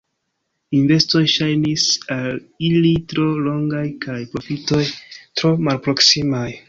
Investoj ŝajnis al ili tro longaj kaj profitoj tro malproksimaj.